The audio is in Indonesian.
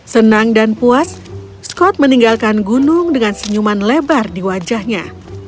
senang dan puas skot meninggalkan gunung dengan senyuman lebar di wajahnya